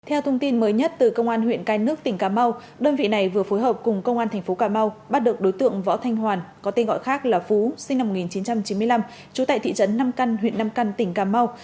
theo thông tin mới nhất từ công an huyện cái nước tỉnh cà mau đơn vị này vừa phối hợp cùng công an thành phố cà mau bắt được đối tượng võ thanh hoàn có tên gọi khác là phú sinh năm một nghìn chín trăm chín mươi năm trú tại thị trấn nam căn huyện nam căn tỉnh cà mau